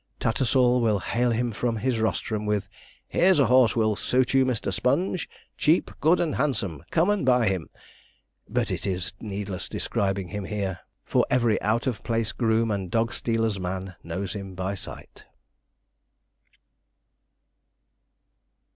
Tattersall will hail him from his rostrum with 'Here's a horse will suit you, Mr. Sponge! cheap, good, and handsome! come and buy him.' But it is needless describing him here, for every out of place groom and dog stealer's man knows him by sight.